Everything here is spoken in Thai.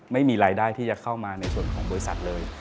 ไม่มีรายได้ที่จะเข้ามาในส่วนของบริษัทเลย